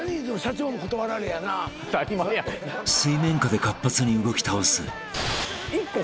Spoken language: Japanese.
［水面下で活発に動き倒す］